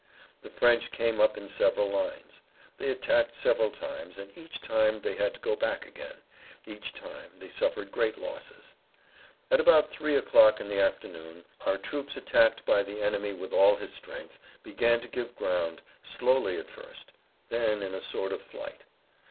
The French came up in several lines. They attacked several times, and each time they had to go back again; each time they suffered great losses. At about three o'clock in the afternoon our troops attacked by the enemy with all his strength, began to give ground, slowly at first, then in a sort of flight.